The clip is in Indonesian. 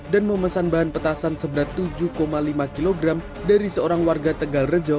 dan memesan bahan petasan seberat tujuh lima kg dari seorang warga tegal rejo